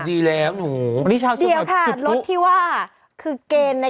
นั่นแหละดีแล้ว